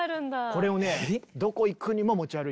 これをねどこ行くにも持ち歩いてたと。